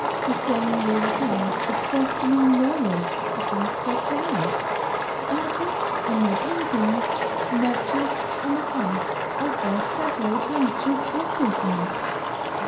The same rule applies to questioning lawyers about their clients, artists on their paintings, merchants or mechanics of their several branches of business.